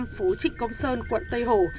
phố trịnh công sơn quận tây hồ